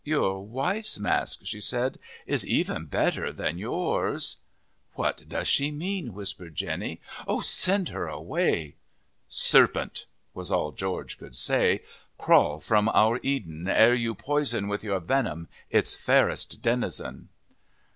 "Your wife's mask," she said, "is even better than yours." "What does she mean?" whispered Jenny. "Oh, send her away!" "Serpent," was all George could say, "crawl from our Eden, ere you poison with your venom its fairest denizen."